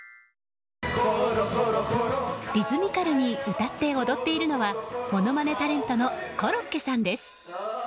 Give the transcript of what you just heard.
リズミカルに歌って踊っているのはものまねタレントのコロッケさんです。